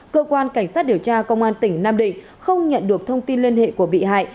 cơ quan cảnh sát điều tra công an tỉnh nam định không nhận được thông tin liên hệ của bị hại